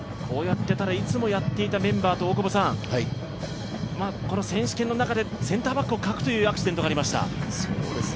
こうやってたらいつもやっていたメンバーとこの選手権の中でセンターバックを欠くというアクシデントがありました。